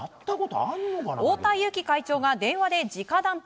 太田雄貴会長が電話で直談判。